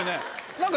何か。